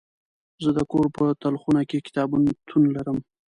زه د کور په تلخونه کې کتابتون لرم.